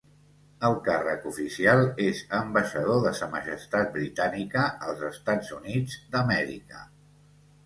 El càrrec oficial és ambaixador de Sa Majestat Britànica als Estats Units d'Amèrica.